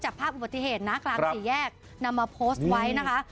ภาพอุบัติเหตุนะกลางสี่แยกนำมาโพสต์ไว้นะคะ